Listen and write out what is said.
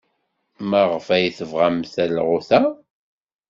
Maɣef ay tebɣam talɣut-a?